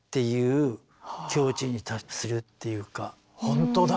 本当だ！